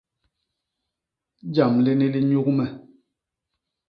Jam lini li nyuk me.